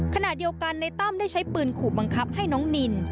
ขณะเดียวกันในตั้มได้ใช้ปืนขู่บังคับให้น้องนิน